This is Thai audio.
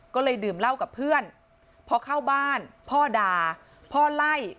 ก็เลยดื่มเหล้ากับเพื่อนพอเข้าบ้านพ่อด่าพ่อไล่